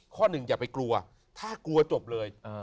กลัวจบเลย